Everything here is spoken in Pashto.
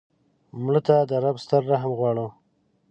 مړه ته د رب ستر رحم غواړو